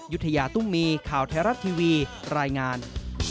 ยุธยาตุ้มมีข่าวไทยรัฐทีวีรายงาน